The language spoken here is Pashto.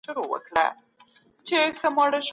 پخواني عالمان بايد په درناوي ياد سي.